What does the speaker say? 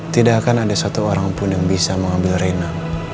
tidak akan ada satu orang pun yang bisa mengambil reina